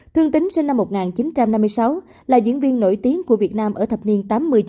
thương tính sinh năm một nghìn chín trăm năm mươi sáu là diễn viên nổi tiếng của việt nam ở thập niên tám mươi chín